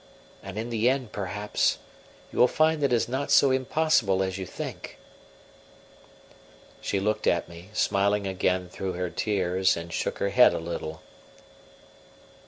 And in the end, perhaps, you will find that it is not so impossible as you think." She looked at me, smiling again through her tears, and shook her head a little.